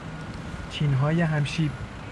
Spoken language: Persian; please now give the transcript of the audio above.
چینهای هم شیب